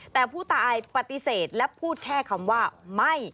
แต่ผู้ตายปฏิเสธและพูดแค่คำว่าไม่